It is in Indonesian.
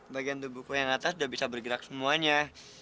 bagian tubuhku yang atas sudah bisa bergerak semuanya